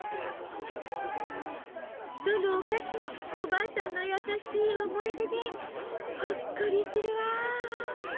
どのお菓子もおばあさんの優しい思い出でほっこりするわ！